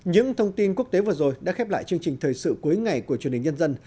những thông tin quốc tế vừa rồi đã khép lại chương trình thời sự cuối ngày của truyền hình nhân dân